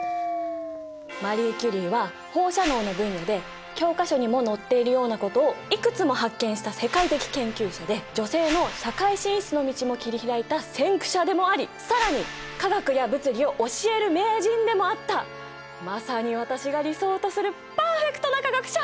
マリー・キュリーは放射能の分野で教科書にも載っているようなことをいくつも発見した世界的研究者で女性の社会進出の道も切り開いた先駆者でもあり更にまさに私が理想とするパーフェクトな科学者！